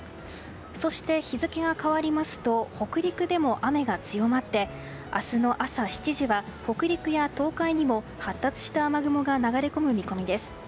そして、日付が変わりますと北陸でも雨が強まって明日の朝７時は北陸や東海にも発達した雨雲が流れ込む見込みです。